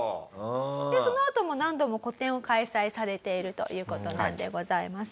でそのあとも何度も個展を開催されているという事なんでございます。